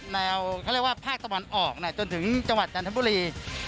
แนวเขาเรียกว่าภาคตะวันออกจนถึงจังหวัดจันทบุรี